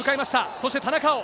そして田中碧。